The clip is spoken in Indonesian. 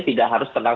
tidak harus tenang